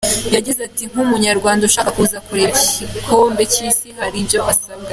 Yagize ati “Nk’Umunyarwanda ushaka kuza kureba igikombe cy’Isi hari ibyo asabwa.